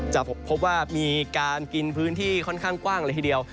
จะพบว่ามีการกินพื้นที่ค่อนข้างกว้างเลยทีเดียว